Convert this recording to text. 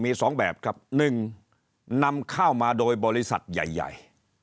มีสองแบบครับหนึ่งนำเข้ามาโดยบริษัทใหญ่